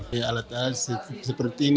ya alat alat seperti ini